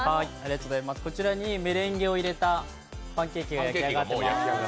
こちらにメレンゲを入れたパンケーキが焼き上がってます。